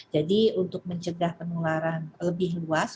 jadi untuk mencegah penularan lebih luas